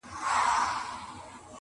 دردونه ژبه نه لري چي خلک وژړوم،